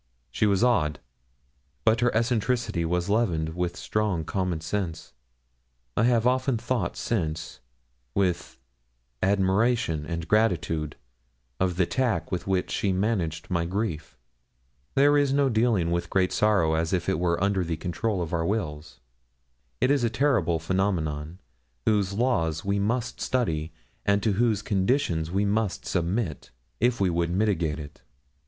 She was odd, but her eccentricity was leavened with strong common sense; and I have often thought since with admiration and gratitude of the tact with which she managed my grief. There is no dealing with great sorrow as if it were under the control of our wills. It is a terrible phenomenon, whose laws we must study, and to whose conditions we must submit, if we would mitigate it.